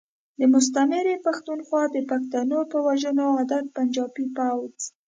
د مستعمرې پختونخوا د پښتنو په وژنو عادت پنجابی فوځ.